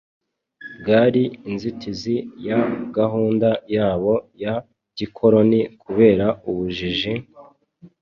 bwari inzitizi ya gahunda yabo ya gikoroni. Kubera ubujiji,